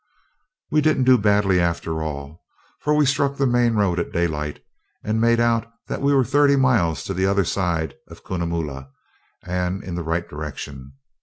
We didn't do badly after all, for we struck the main road at daylight and made out that we were thirty miles the other side of Cunnamulla, and in the right direction.